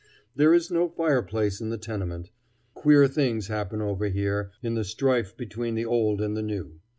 There is no fireplace in the tenement. Queer things happen over here, in the strife between the old and the new.